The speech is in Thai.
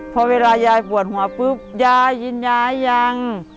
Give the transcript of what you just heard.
พอเวลายายปวดหัวปุ๊บยายกินยายัง